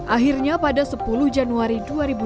akhirnya pada sepuluh januari dua ribu dua puluh